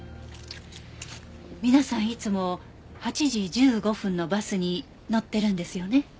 皆さんいつも８時１５分のバスに乗ってるんですよね？